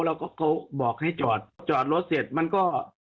เขาบอกให้จอดจอดรถเสร็จมันก็